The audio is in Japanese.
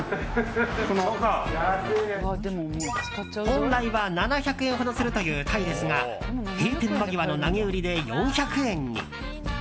本来は７００円ほどするというタイですが閉店間際の投げ売りで４００円に。